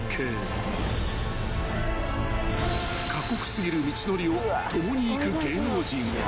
［過酷過ぎる道のりを共に行く芸能人は］